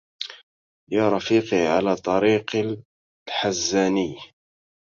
يا رفيقي على طريق الحزاني